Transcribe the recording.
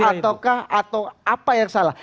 ataukah atau apa yang salah